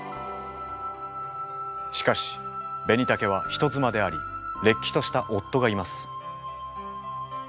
しかしベニタケは人妻でありれっきとした夫がいます。